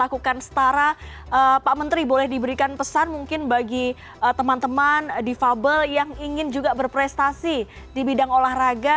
pak menteri boleh diberikan pesan mungkin bagi teman teman difabel yang ingin juga berprestasi di bidang olahraga